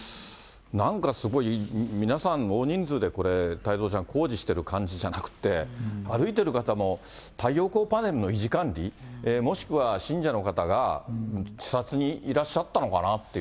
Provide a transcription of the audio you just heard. なんかすごい皆さん、大人数でこれ、太蔵ちゃん、工事してる感じじゃなくて、歩いてる方も太陽光パネルの維持管理、もしくは信者の方が視察にいらっしゃったのかなという。